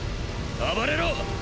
暴れろ！